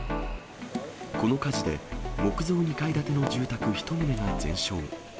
この火事で、木造２階建ての住宅１棟が全焼。